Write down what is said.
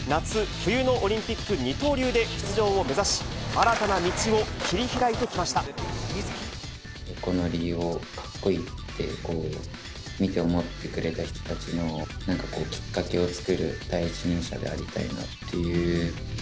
冬のオリンピック二刀流で出場を目指し、横乗りをかっこいいって、見て思ってくれた人たちの、なんかこう、きっかけを作る第一人者でありたいなっていう。